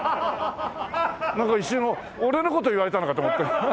なんか一瞬俺の事言われたのかと思ったよ。